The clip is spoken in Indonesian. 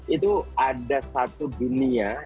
itu ada satu dunia